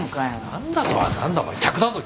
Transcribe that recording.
「何だ」とは何だお前。